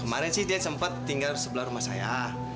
kemarin sih dia sempat tinggal di sebelah rumah saya